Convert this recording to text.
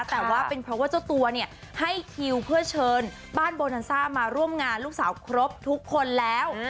แต่ว่าเป็นเพราะว่าเจ้าตัวเนี่ยให้คิวเพื่อเชิญบ้านโบนันซ่ามาร่วมงานลูกสาวครบทุกคนแล้ว